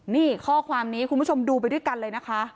นี่ข้อความนี้คุณผู้ชมดูไปด้วยกันเลยนะคะ